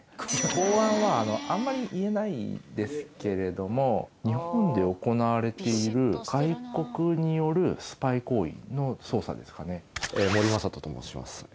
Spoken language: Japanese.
公安はあんまり言えないですけれども日本で行われている外国によるスパイ行為の捜査ですかね森雅人と申します